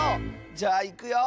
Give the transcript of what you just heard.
じゃあいくよ。